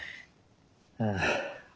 ああ。